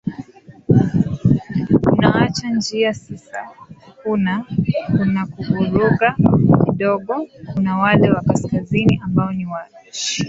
unaacha njia sasa kuna kuna vurugu kidogo kuna wale wa kaskazini ambao ni washia